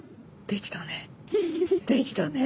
できたね。